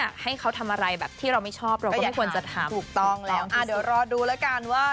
เดี๋ยวรอดูแล้วกันว่า